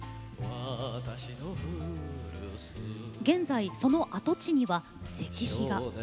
現在その跡地には石碑が。